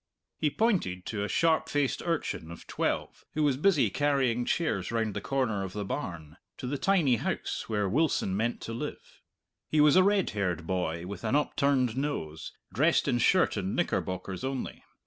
He pointed to a sharp faced urchin of twelve who was busy carrying chairs round the corner of the barn, to the tiny house where Wilson meant to live. He was a red haired boy with an upturned nose, dressed in shirt and knickerbockers only.